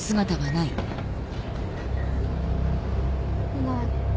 いない。